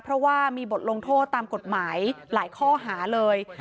เพราะว่ามีบทลงโทษตามกฎหมายหลายข้อหาเลย